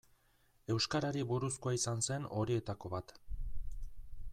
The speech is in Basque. Euskarari buruzkoa izan zen horietako bat.